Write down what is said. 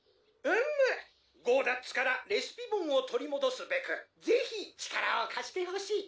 「うむゴーダッツからレシピボンを取りもどすべくぜひ力をかしてほしい」